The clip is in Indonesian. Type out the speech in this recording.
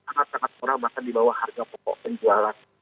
sangat sangat murah bahkan di bawah harga pokok penjualan